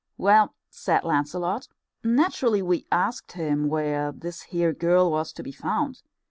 "Well," said Lancelot, "naturally we asked him where this here girl was to be found.